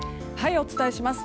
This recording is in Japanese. お伝えします。